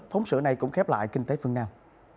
phóng sự này cũng khép lại kinh tế phương nam